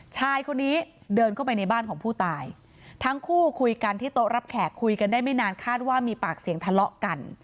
ชายคนนี้เดินเข้าไปในบ้านของผู้ตายทั้งคู่คุยกันที่โต๊ะรับแขกคุยกันได้ไม่นานคาดว่ามีปากเสียงทะเลาะกัน